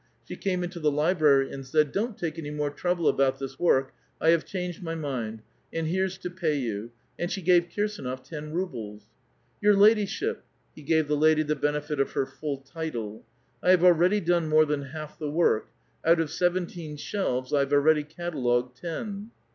She came into the library and said :*' Don't take any more trouble about this work ; I have changed my mind. And here's to pay you" ; and she gave Kirsdnof ten rubles. '' Your lady ship" (he gave the lady the benefit of her full title), "I have already done more than half the work ; out of seventeen shelves I have already catalogued ten."